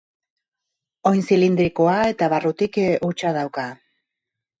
Oin zilindrikoa eta barrutik hutsa dauka.